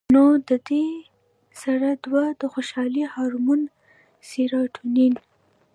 نو د دې سره دوه د خوشالۍ هارمون سېراټونین